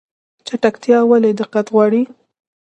چټکتیا ولې دقت غواړي؟